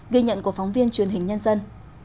ghi nhận của phóng viên truyền hình nhân dân